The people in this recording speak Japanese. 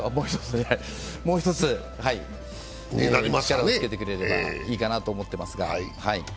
もうひとつ力をつけてくれればいいかなと思っていますが。